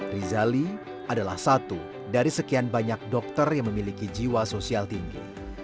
rizali adalah satu dari sekian banyak dokter yang memiliki jiwa sosial tinggi